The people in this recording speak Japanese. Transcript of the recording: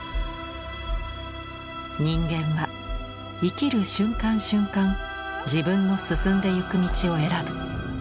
「人間は生きる瞬間瞬間自分の進んでゆく道を選ぶ。